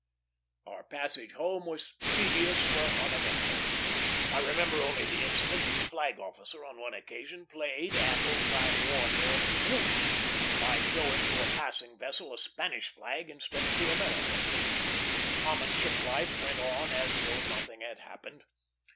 Our passage home was tedious but uneventful. I remember only the incident that the flag officer on one occasion played at old time warfare of his youth, by showing to a passing vessel a Spanish flag instead of the American. The common ship life went on as though nothing had happened.